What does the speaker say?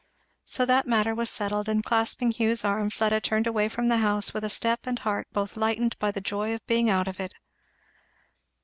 So that matter was settled; and clasping Hugh's arm Fleda turned away from the house with a step and heart both lightened by the joy of being out of it.